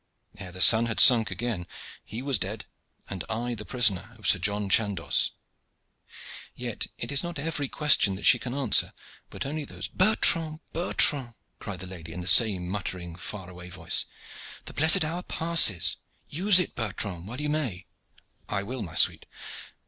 Ere the sun had sunk again he was dead, and I the prisoner of Sir John Chandos. Yet it is not every question that she can answer, but only those " "Bertrand, Bertrand!" cried the lady in the same muttering far away voice, "the blessed hour passes. Use it, Bertrand, while you may." "I will, my sweet.